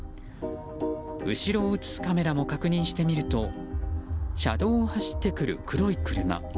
後ろを映すカメラも確認してみると車道を走ってくる黒い車。